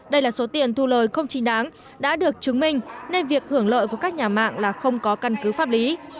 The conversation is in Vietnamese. đây là số tiền thu lời không chính đáng đã được chứng minh nên việc hưởng lợi của các nhà mạng là không có căn cứ pháp lý